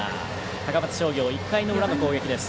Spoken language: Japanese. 高松商業、１回の裏の攻撃です。